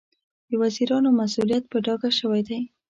د وزیرانو مسوولیت په ډاګه شوی دی.